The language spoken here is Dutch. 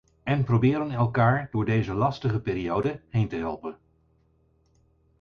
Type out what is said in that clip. En proberen elkaar door deze lastige periode heen te helpen.